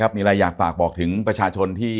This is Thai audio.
ไหน๐๐๐อยากฝากบอกที่มาชาชน